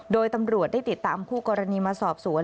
โดยตำรวจได้ติดตามคู่กรณีมาสอบสวน